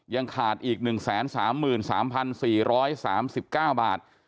ยังขาดอีก๑๓๓๔๓๙บาท